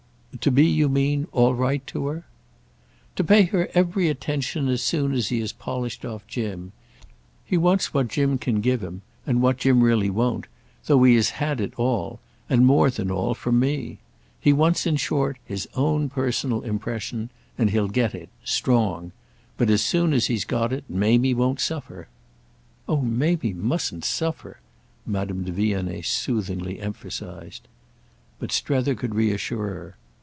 "To be, you mean, all right to her?" "To pay her every attention as soon as he has polished off Jim. He wants what Jim can give him—and what Jim really won't—though he has had it all, and more than all, from me. He wants in short his own personal impression, and he'll get it—strong. But as soon as he has got it Mamie won't suffer." "Oh Mamie mustn't suffer!" Madame de Vionnet soothingly emphasised. But Strether could reassure her.